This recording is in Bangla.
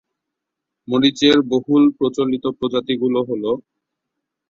মরিচের বহুল প্রচলিত প্রজাতি গুলো হলোঃ